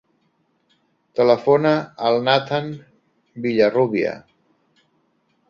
Telefona al Nathan Villarrubia.